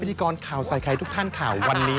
ไปดูกันแน่นอนเลย